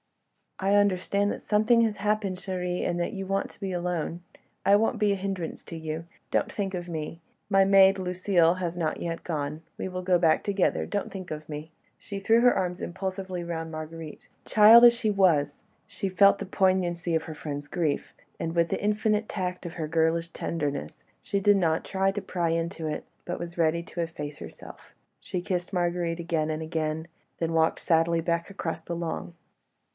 "I understand that something has happened, chérie, and that you want to be alone. I won't be a hindrance to you. Don't think of me. My maid, Lucile, has not yet gone ... we will go back together ... don't think of me." She threw her arms impulsively round Marguerite. Child as she was, she felt the poignancy of her friend's grief, and with the infinite tact of her girlish tenderness, she did not try to pry into it, but was ready to efface herself. She kissed Marguerite again and again, then walked sadly back across the lawn.